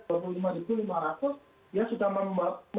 ketika itu mereka sudah mendapatkan manfaat medis yang sama persis dengan kelas satu